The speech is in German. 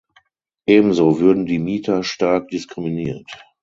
Ebenso würden die Mieter stark diskriminiert.